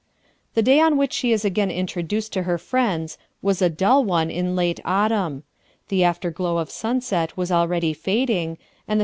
The day on which she is again introduced to her friends was a dull one in late autumn; the afterglow of sunset was already fading, and the